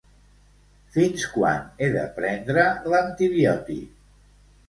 Fins quan he de prendre l'antibiòtic?